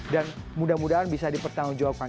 dan mudah mudahan bisa dipertanggungjawab